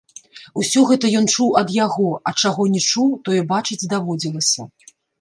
Усё гэта ён чуў ад яго, а чаго не чуў, тое бачыць даводзілася.